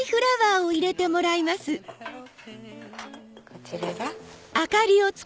こちらが。